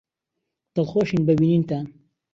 دڵخۆشین بە بینینتان.